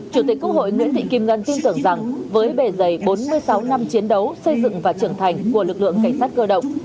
chủ tịch quốc hội nguyễn thị kim ngân tin tưởng rằng với bề dày bốn mươi sáu năm chiến đấu xây dựng và trưởng thành của lực lượng cảnh sát cơ động